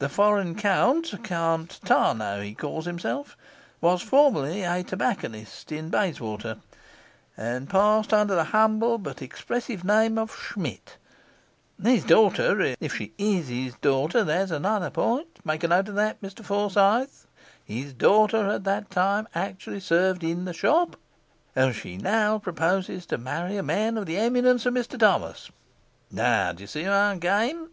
The foreign count Count Tarnow, he calls himself was formerly a tobacconist in Bayswater, and passed under the humble but expressive name of Schmidt; his daughter if she is his daughter there's another point make a note of that, Mr Forsyth his daughter at that time actually served in the shop and she now proposes to marry a man of the eminence of Mr Thomas! Now do you see our game?